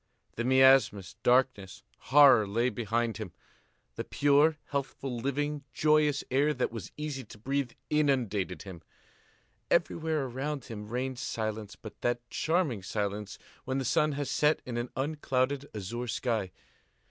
The miasmas, darkness, horror lay behind him. The pure, healthful, living, joyous air that was easy to breathe inundated him. Everywhere around him reigned silence, but that charming silence when the sun has set in an unclouded azure sky.